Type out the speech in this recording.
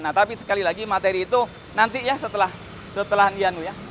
nah tapi sekali lagi materi itu nanti ya setelah yanu ya